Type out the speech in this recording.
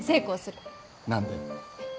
何で？